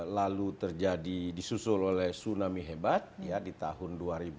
lalu terjadi disusul oleh tsunami hebat di tahun dua ribu